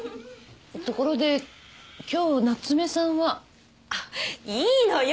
ところで今日夏目さんは？あっいいのよ。